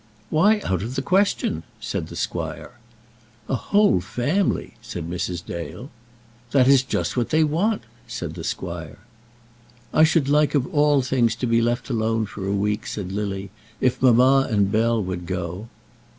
"Why out of the question?" said the squire. "A whole family!" said Mrs. Dale. "That is just what they want," said the squire. "I should like of all things to be left alone for a week," said Lily, "if mamma and Bell would go."